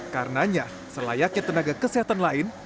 karenanya selayaknya tenaga kesehatan lain